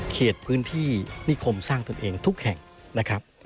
เขตพื้นที่นิคมสร้างตนเองทุกแห่งนะครับ